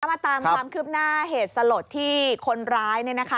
มาตามความคืบหน้าเหตุสลดที่คนร้าย